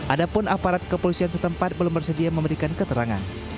ada pun aparat kepolisian setempat belum bersedia memberikan keterangan